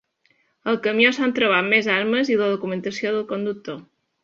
Al camió s’han trobat més armes i la documentació del conductor.